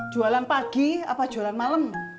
jualan pagi apa jualan malam